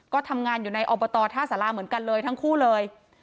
ก็ทำงานอยู่ในอบตท่าสาราเหมือนกันเลยทั้งคู่เลย